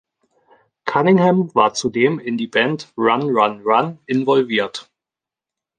Cunningham war zudem in die Band "Run Run Run" involviert.